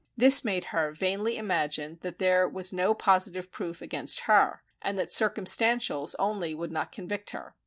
This made her vainly imagine that there was no positive proof against her, and that circumstantials only would not convict her.